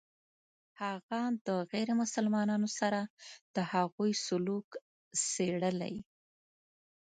هغه د غیر مسلمانانو سره د هغوی سلوک څېړلی.